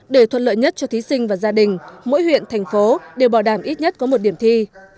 để thuận lợi nhất cho thí sinh và gia đình mỗi huyện thành phố đều bảo đảm ít nhất có một điểm thi